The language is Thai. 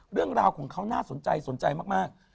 เรื่องราวของเขาน่าสนใจสนใจมาก